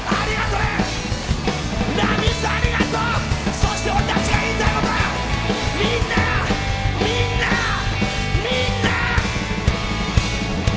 そして俺たちが言いたいことはみんな、みんな、みんな！